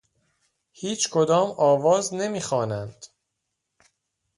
هیچ کدام آواز نمی خوانند.